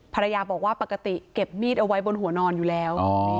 ภรรยาบอกว่าปกติเก็บมีดเอาไว้บนหัวนอนอยู่แล้ว